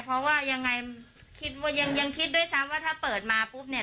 เพราะว่ายังไงคิดว่ายังยังคิดด้วยซ้ำว่าถ้าเปิดมาปุ๊บเนี่ย